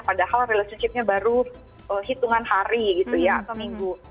padahal relationshipnya baru hitungan hari gitu ya atau minggu